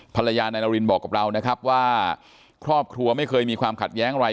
ภรรยานายนารินบอกกับเรานะครับว่าครอบครัวไม่เคยมีความขัดแย้งอะไร